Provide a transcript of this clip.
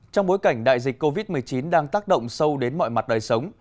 trong bối cảnh đại dịch covid một mươi chín đang tác động sâu đến mọi mặt đời sống